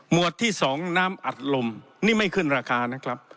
วดที่๒น้ำอัดลมนี่ไม่ขึ้นราคานะครับ